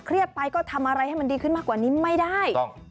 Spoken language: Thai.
ไปก็ทำอะไรให้มันดีขึ้นมากกว่านี้ไม่ได้